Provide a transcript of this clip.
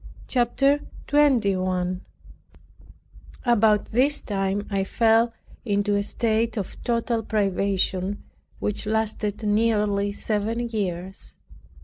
CHAPTER 21 About this time I fell into a state of total privation which lasted nearly seven years.